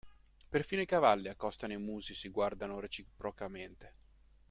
Perfino i cavalli accostano i musi e si guardano reciprocamente.